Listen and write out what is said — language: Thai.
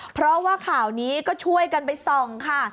เพราะว่าข่าวนี้ก็ช่วยกันไปส่องค่ะ